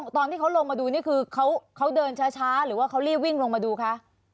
ตอนที่เขาลงมาดูนี่คือเขาเดินช้าหรือว่าเขารีบวิ่งลงมาดูคะ